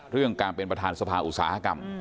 เรื่องการเป็นประธานสภาอุตสาหกรรม